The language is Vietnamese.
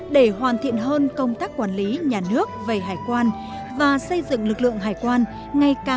để hoàn thiện hơn công tác quản lý nhà nước